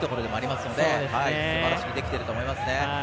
すばらしくできていると思います。